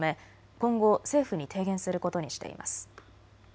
今後、政府に提言することにしています。